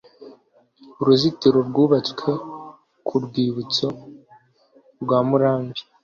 Uruzitiro rwubatswe ku rwibutso rwa Murambi